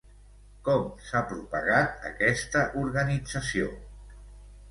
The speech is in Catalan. Com s'ha propagat aquesta organització?